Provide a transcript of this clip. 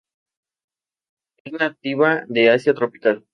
Es nativa de Asia tropical.